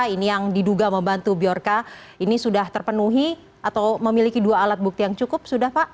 ini yang diduga membantu biarca ini sudah terpenuhi atau memiliki dua alat bukti yang cukup sudah pak